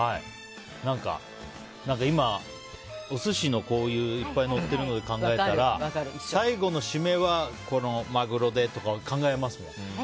何か、今、お寿司のこういういっぱいのってるので考えたら最後の締めはマグロでとか考えますね。